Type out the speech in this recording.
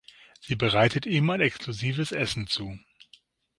Sie bereitet ihm ein exklusives Essen zu.